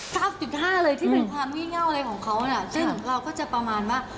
เก้าจุดห้าเลยที่เป็นความงี่เง่าอะไรของเขาน่ะซึ่งเราก็จะประมาณว่า